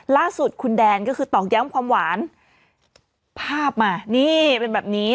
ล่าสุดคุณแดนก็คือตอกย้ำความหวานภาพมานี่เป็นแบบนี้